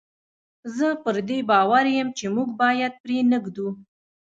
زه پر دې باور یم چې موږ باید پرې نه ږدو.